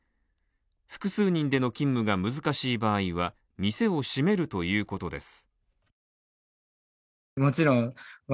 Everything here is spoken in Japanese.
複数人での勤務が難しい場合は、店を閉めるということです。